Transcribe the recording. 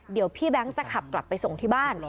เดี๋ยวพี่แบงค์จะขับกลับไปส่งที่บ้าน